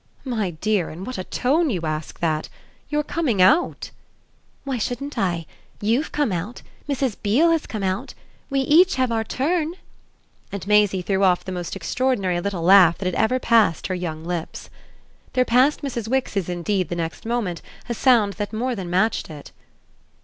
"My dear, in what a tone you ask that! You're coming out." "Why shouldn't I? YOU'VE come out. Mrs. Beale has come out. We each have our turn!" And Maisie threw off the most extraordinary little laugh that had ever passed her young lips. There passed Mrs. Wix's indeed the next moment a sound that more than matched it.